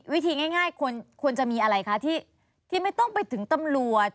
วิธีง่ายควรจะมีอะไรคะที่ไม่ต้องไปถึงตำรวจ